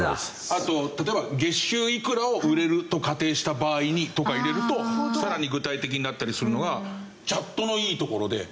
あと例えば「月収いくらを売れると仮定した場合に」とか入れるとさらに具体的になったりするのがチャットのいいところで。